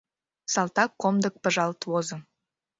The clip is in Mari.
Салтак комдык пыжалт возо.